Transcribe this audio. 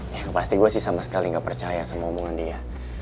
yang pasti gue sih sama sekali nggak percaya sama omongan dia